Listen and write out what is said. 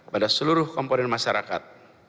pada seluruh komponen masyarakat